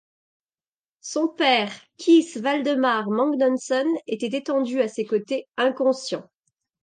Son père, Keith Waldemar Mangnoson, était étendu à ses côtés, inconscient.